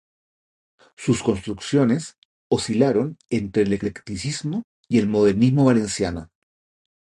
Sus construcciones oscilaron entre el eclecticismo y el modernismo valenciano.